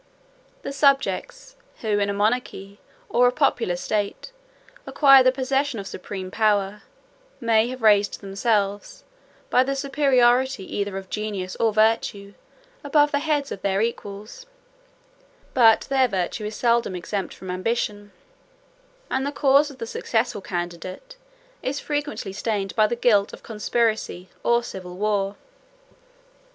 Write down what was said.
The subjects, who, in a monarchy, or a popular state, acquire the possession of supreme power, may have raised themselves, by the superiority either of genius or virtue, above the heads of their equals; but their virtue is seldom exempt from ambition; and the cause of the successful candidate is frequently stained by the guilt of conspiracy, or civil war.